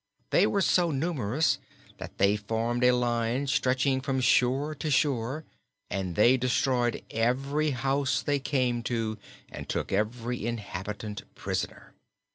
They were so numerous that they formed a line stretching from shore to shore and they destroyed every house they came to and took every inhabitant prisoner.